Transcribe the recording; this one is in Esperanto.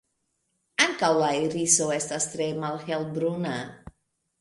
Ankaŭ la iriso estas tre malhelbruna.